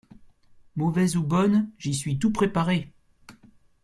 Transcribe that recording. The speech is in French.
Mauvaise ou bonne, j'y suis tout préparé.